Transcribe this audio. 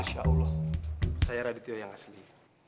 masya allah saya radityo yang asli